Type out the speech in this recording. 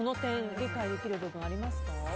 理解できるところありますか？